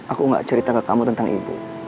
aku gak cerita ke kamu tentang ibu